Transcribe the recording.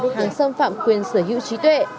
hàng xâm phạm quyền sở hữu trí tuệ